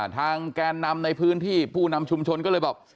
แกนนำในพื้นที่ผู้นำชุมชนก็เลยบอก